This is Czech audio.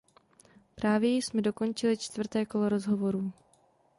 Právě jsme dokončili čtvrté kolo rozhovorů.